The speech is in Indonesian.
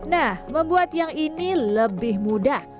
nah membuat yang ini lebih mudah